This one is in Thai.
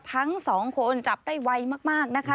ทั้งสองคนจับได้ไวมากนะคะ